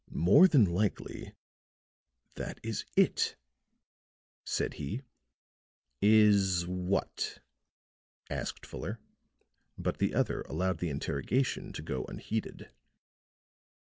"More than likely that is it," said he. "Is what?" asked Fuller. But the other allowed the interrogation to go unheeded.